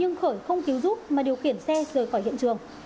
nhưng khởi không cứu giúp mà điều khiển xe rời khỏi hiện trường